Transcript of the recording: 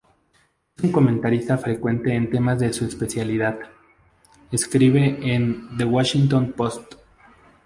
Es un comentarista frecuente en temas de su especialidad; escribe en The Washington Post.